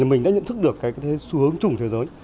mình đã nhận thức được xu hướng chủng của thế giới